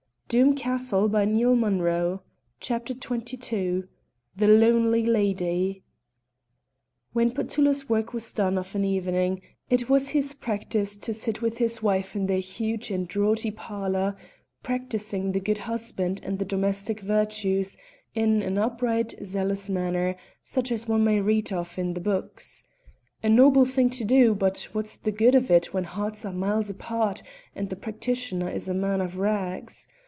The Chamberlain led the way. CHAPTER XXII THE LONELY LADY When Petullo's work was done of an evening it was his practice to sit with his wife in their huge and draughty parlour, practising the good husband and the domestic virtues in an upright zealous manner, such as one may read of in the books. A noble thing to do, but what's the good of it when hearts are miles apart and the practitioner is a man of rags?